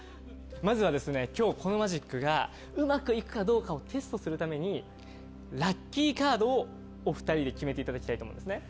まずは今日このマジックがうまく行くかどうかをテストするためにラッキーカードをお２人で決めていただきたいと思うんです。